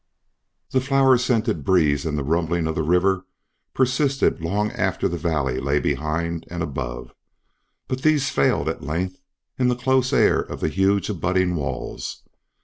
The flower scented breeze and the rumbling of the river persisted long after the valley lay behind and above, but these failed at length in the close air of the huge abutting walls.